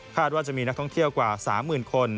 ว่าจะมีนักท่องเที่ยวกว่า๓๐๐๐คน